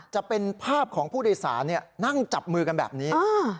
จะเป็นภาพของผู้โดยสารนั่งจับมือกันแบบนี้